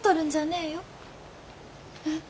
えっ？